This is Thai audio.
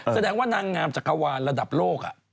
แสดงว่านางงามจักรวาลระดับโลก